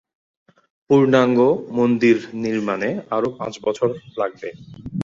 পূর্ণাঙ্গ মন্দির নির্মাণে আরও পাঁচ বছর লাগবে।